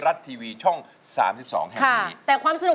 เพลงที่เจ็ดเพลงที่แปดแล้วมันจะบีบหัวใจมากกว่านี้